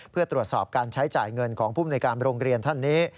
เพื่อตรวจสอบการใช้จ่ายเงินของผู้มนุยการโรงเรียนท่านนี้